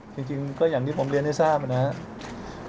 จริงก็อย่างที่ผมเรียนให้ทราบนะครับ